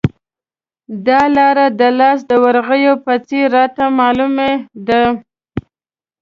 دا لارې د لاس د ورغوي په څېر راته معلومې دي.